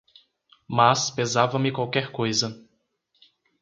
Mas pesava-me qualquer coisa